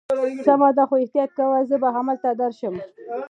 سمه ده، خو احتیاط کوه، زه به همالته درشم.